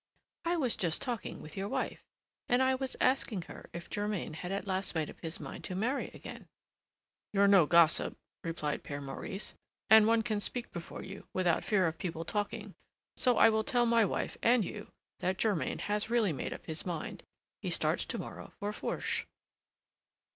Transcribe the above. "I was just talking with your wife, and I was asking her if Germain had at last made up his mind to marry again." "You're no gossip," replied Père Maurice, "and one can speak before you without fear of people talking; so I will tell my wife and you that Germain has really made up his mind; he starts to morrow for Fourche."